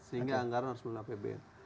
sehingga anggaran harus melalui apbn